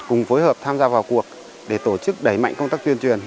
cùng phối hợp tham gia vào cuộc để tổ chức đẩy mạnh công tác tuyên truyền